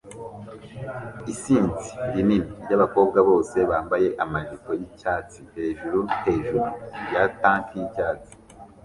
Isinzi rinini ryabakobwa bose bambaye amajipo yicyatsi hejuru hejuru ya tank yicyatsi